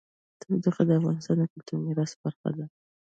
تودوخه د افغانستان د کلتوري میراث برخه ده.